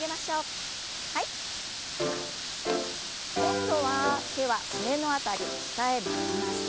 今度は手はすねの辺り下へ曲げます。